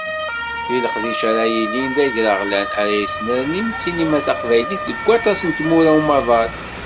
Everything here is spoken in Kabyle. D leqdic ara yilin d agraɣlan, ara yesnernin ssinima taqbaylit deg waṭas n tmura n umaḍal.